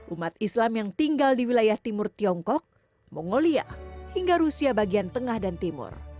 umat islam yang tinggal di wilayah timur tiongkok mongolia hingga rusia bagian tengah dan timur